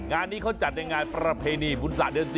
งานนี้เขาจัดในงานประเพณีบุญศาสตร์เดือน๔